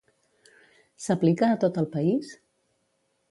S'aplica a tot el país?